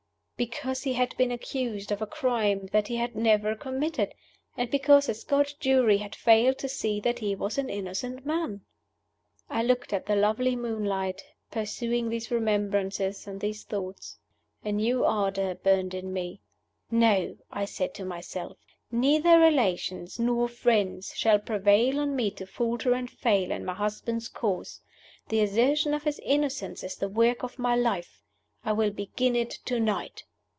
Because he had been accused of a crime that he had never committed, and because a Scotch jury had failed to see that he was an innocent man. I looked at the lovely moonlight, pursuing these remembrances and these thoughts. A new ardor burned in me. "No!" I said to myself. "Neither relations nor friends shall prevail on me to falter and fail in my husband's cause. The assertion of his innocence is the work of my life; I will begin it to night."